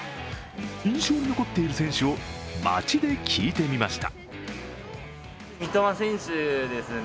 印象に残っている選手を街で聞いてみました。